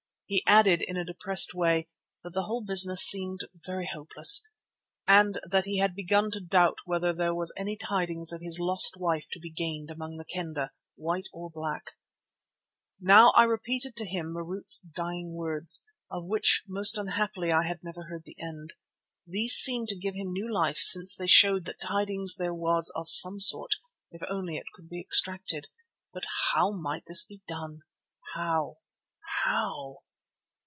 He added in a depressed way that the whole business seemed very hopeless, and that he had begun to doubt whether there was any tidings of his lost wife to be gained among the Kendah, White or Black. Now I repeated to him Marût's dying words, of which most unhappily I had never heard the end. These seemed to give him new life since they showed that tidings there was of some sort, if only it could be extracted. But how might this be done? How? How?